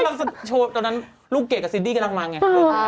ตอนนั้นลูกเกรดกับซิดดี้กำลังมาไง